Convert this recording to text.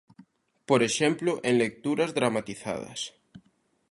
Por exemplo, en lecturas dramatizadas.